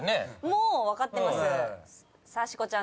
もう分かってます。